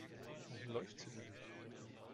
Wohin läuft sie denn?